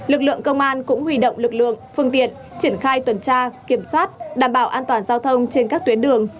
lực lượng công an cũng huy động lực lượng phương tiện triển khai tuần tra kiểm soát đảm bảo an toàn giao thông trên các tuyến đường